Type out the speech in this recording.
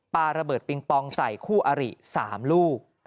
ปลาระเบิดปิงปองใส่คู่อริ๓ลูก